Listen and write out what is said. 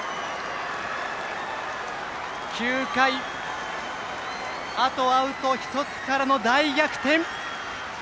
９回あとアウト１つからの大逆転。